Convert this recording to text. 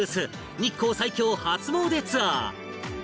日光最強初詣ツアー